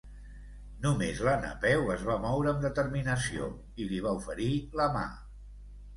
Només la Napeu es va moure amb determinació i li va oferir la mà.